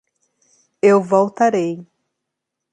Eu voltarei.